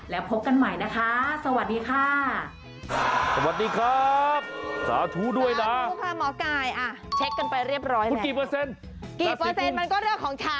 แล้วพบกันใหม่นะคะสวัสดีค่ะ